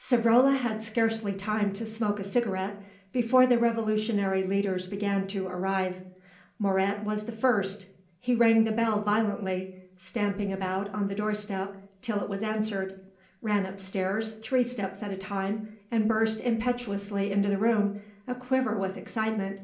Savrola had scarcely time to smoke a cigarette before the Revolutionary leaders began to arrive. Moret was the first; he rang the bell violently, stamping about on the doorstep till it was answered, ran upstairs three steps at a time, and burst impetuously into the room, aquiver with excitement.